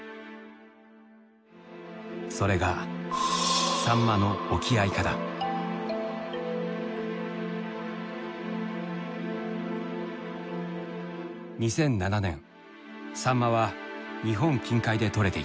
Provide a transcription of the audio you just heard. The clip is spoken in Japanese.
それが２００７年サンマは日本近海で取れていた。